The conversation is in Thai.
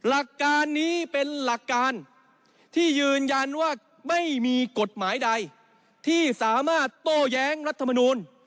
หลักการนี้เป็นหลักการที่ยืนยันว่าไม่มีกฎหมายใดที่สามารถโต้แย้งรัฐมนูล